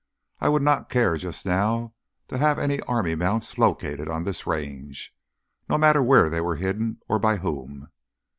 I would not care, just now, to have any army mounts located on this Range—no matter where they were hidden or by whom.